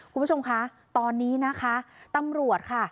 คุณผู้ชมคะตอนนี้นะคะตำรวจค่ะ